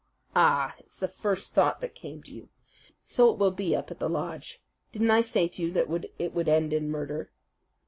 "Ah, it's the first thought that came to you! So it will be up at the lodge. Didn't I say to you that it would end in murder?"